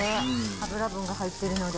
油分が入ってるので。